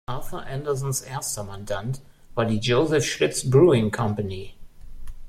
Arthur Andersens erster Mandant war die Joseph Schlitz Brewing Company.